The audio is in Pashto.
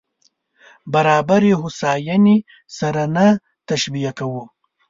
برابري هوساينې سره نه تشبیه کوو.